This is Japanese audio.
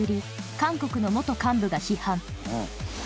韓国の幹部が批判